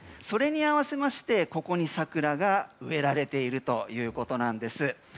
それに合わせましてここに桜が植えられているということなんです。